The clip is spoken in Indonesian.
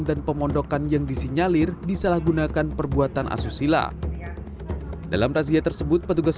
dan pemondokan yang disinyalir disalahgunakan perbuatan asusila dalam razia tersebut petugas